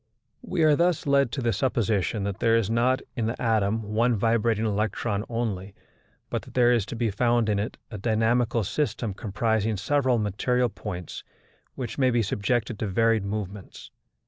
We are thus led to the supposition that there is not in the atom one vibrating electron only, but that there is to be found in it a dynamical system comprising several material points which may be subjected to varied movements.